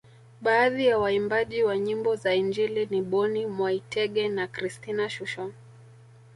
Baadhi ya waimbaji wa nyimbo za injili ni Boni Mwaitege na Christina Shusho